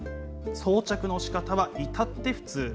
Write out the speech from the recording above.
装着のしかたは至って普通。